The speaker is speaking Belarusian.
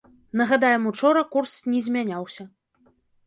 Нагадаем, учора курс не змяняўся.